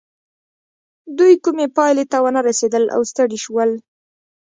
دوی کومې پايلې ته ونه رسېدل او ستړي شول.